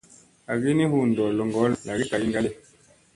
Agi ni hu ɗolla ŋgolla lagi tagi gali.